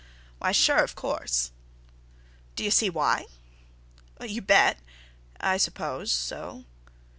"Why, sure, of course." "Do you see why?" "You bet—I suppose so."